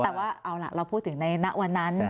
แต่ว่าเอาล่ะเราพูดถึงในณวันนั้น